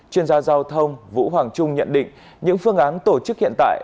chuyên gia giao thông vũ hoàng trung nhận định những phương án tổ chức hiện tại